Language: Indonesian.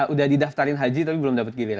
udah di daftarin haji tapi belum dapat giliran